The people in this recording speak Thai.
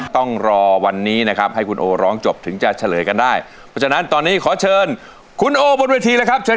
ต้องรอวันนี้นะครับให้คุณโอร้องจบถึงจะเฉลยกันได้